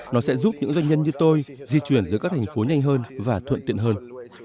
nó sẽ giúp những doanh nhân như tôi di chuyển giữa các thành phố nhanh hơn và thuận tiện hơn